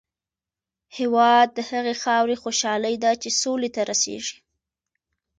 هېواد د هغې خاورې خوشحالي ده چې سولې ته رسېږي.